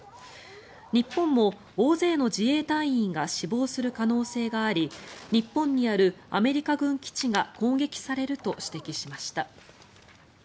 日本も大勢の自衛隊員が死亡する可能性があり日本にあるアメリカ軍基地が攻撃されると指摘しました。